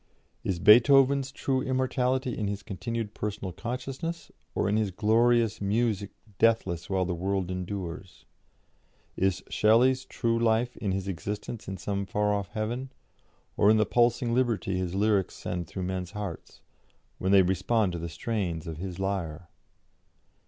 Is Beethoven's true immortality in his continued personal consciousness, or in his glorious music deathless while the world endures? Is Shelley's true life in his existence in some far off heaven, or in the pulsing liberty his lyrics send through men's hearts, when they respond to the strains of his lyre?